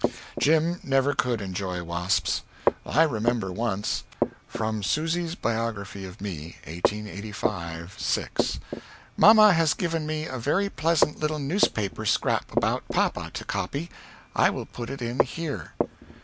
Jim never could enjoy wasps. I remember once From Susy's Biography of Me [1885 6]. Mamma has given me a very pleasant little newspaper scrap about papa, to copy. I will put it in here.